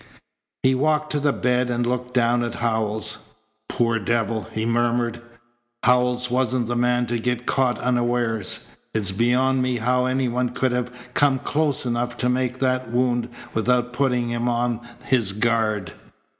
He walked to the bed and looked down at Howells. "Poor devil!" he murmured. "Howells wasn't the man to get caught unawares. It's beyond me how any one could have come close enough to make that wound without putting him on his guard."